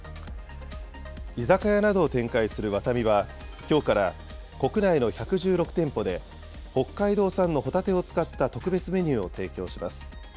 居酒屋などを展開するワタミは、きょうから国内の１１６店舗で、北海道産のホタテを使った特別メニューを提供します。